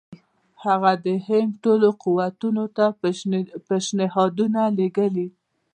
هغه د هند ټولو قوتونو ته پېشنهادونه لېږلي.